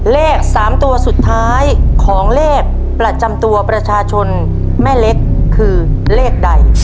เลข๓ตัวสุดท้ายของเลขประจำตัวประชาชนแม่เล็กคือเลขใด